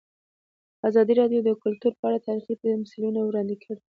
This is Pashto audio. ازادي راډیو د کلتور په اړه تاریخي تمثیلونه وړاندې کړي.